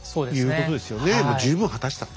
十分果たしたと。